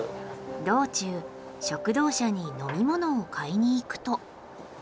道中食堂車に飲み物を買いに行くと。